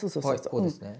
はいこうですね。